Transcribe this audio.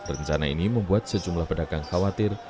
rencana ini membuat sejumlah pedagang khawatir